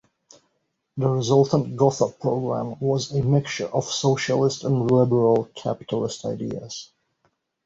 The resultant Gotha Program was a mixture of socialist and liberal capitalist ideas.